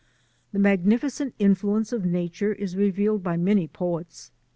The magnificent influence of nature is revealed by many poets.